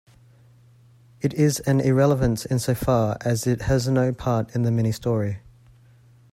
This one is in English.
It is an irrelevance insofar as it has no part in the Mini story.